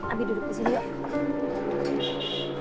abie duduk disini yuk